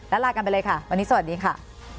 แล้วลากันไปเลยค่ะวันนี้สวัสดีค่ะ